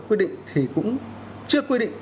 quy định thì cũng chưa quy định